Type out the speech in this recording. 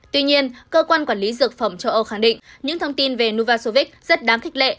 tuy nhiên cơ quan quản lý dược phẩm châu âu khẳng định những thông tin về nuvasovic rất đáng khích lệ